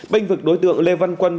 bệnh vực đối tượng lê văn quân